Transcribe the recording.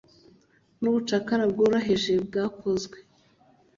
nubucakara bworoheje bwakozwe